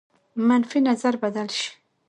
منفي نظر بدل شي.